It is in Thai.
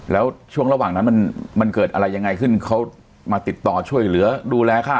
แล้วช่วงระหว่างนั้นมันเกิดอะไรยังไงขึ้นเขามาติดต่อช่วยเหลือดูแลค่า